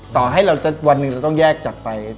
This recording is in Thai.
ต่อให้วันนึงเราต้องแยกจากไป